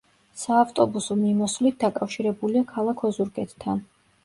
საავტობუსო მიმოსვლით დაკავშირებულია ქალაქ ოზურგეთთან.